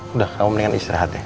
udah kamu mendingan istirahat ya